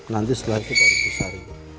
nanti setelah itu baru disari